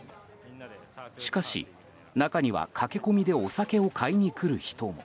しかし、中には駆け込みでお酒を買いに来る人も。